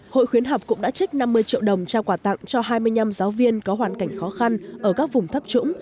hội khuyến học cũng đã trích năm mươi triệu đồng trao quà tặng cho hai mươi năm giáo viên có hoàn cảnh khó khăn ở các vùng thấp trũng